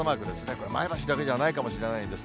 これ、前橋だけではないかもしれないんです。